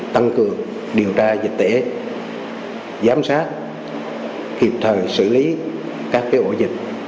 tăng cường điều tra dịch tễ giám sát hiệp thời xử lý các ổ dịch